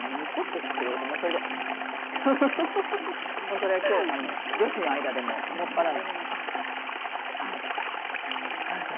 それは今日、女子の間でも専らの。